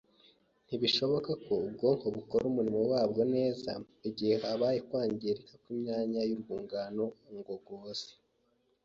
Ntibishoboka ko ubwonko bukora umurimo wabwo neza igihe habaye ukwangirika kw’imyanya y’urwungano ngogozi.